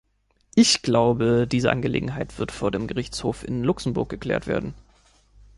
Ich glaube, diese Angelegenheit wird vor dem Gerichtshof in Luxemburg geklärt werden.